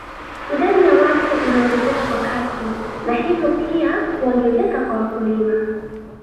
Idadi ya watu inaongezeka kwa kasi na hivyo pia kuongezeka kwa wakulima